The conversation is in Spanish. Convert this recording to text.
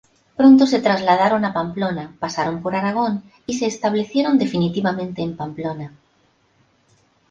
Pronto se trasladaron a Pamplona, pasaron por Aragón y se establecieron definitivamente en Pamplona.